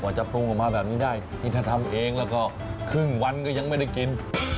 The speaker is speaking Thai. จะปรุงออกมาแบบนี้ได้นี่ถ้าทำเองแล้วก็ครึ่งวันก็ยังไม่ได้กิน